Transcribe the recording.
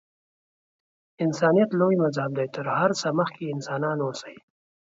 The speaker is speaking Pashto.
انسانیت لوی مذهب دی. تر هر څه مخکې انسانان اوسئ.